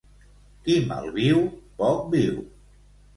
Qui malviu, poc viu.